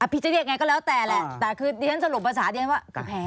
อภิเจษฐ์ไงก็แล้วแต่แหละแต่คือเดี๋ยวฉันสรุปประสาทว่าแพ้